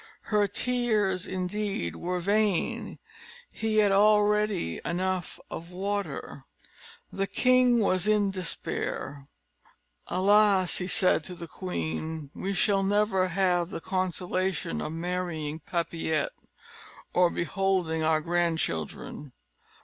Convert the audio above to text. Her tears indeed were vain; he had already enough of water. The king was in despair. "Alas!" said he to the queen, "we shall never have the consolation of marrying Papillette, or beholding our grandchildren.